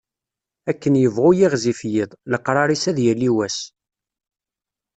Akken yebɣu yiɣzif yiḍ, leqrar-is ad yali wass.